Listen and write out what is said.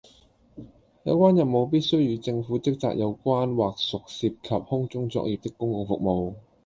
有關任務必須與政府職責有關或屬涉及空中作業的公共服務